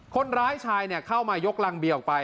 คนร้ายชายเข้ามายกรังเบียออกไป